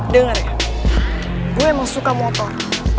dengar ya gue emang suka motor